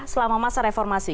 selama masa reformasi